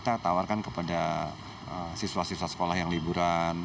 kita tawarkan kepada siswa siswa sekolah yang liburan